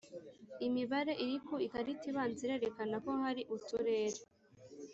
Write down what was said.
Imibare iri ku ikarita ibanza irerekana ko hari uturere